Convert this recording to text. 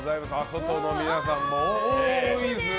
外の皆さんも多いですね